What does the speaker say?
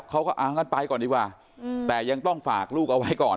เขาก็เอางั้นไปก่อนดีกว่าแต่ยังต้องฝากลูกเอาไว้ก่อน